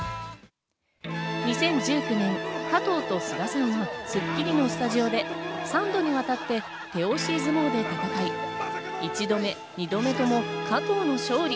２０１９年、加藤と菅田さんは『スッキリ』のスタジオで３度にわたって手押し相撲で戦い１度目、２度目とも加藤の勝利。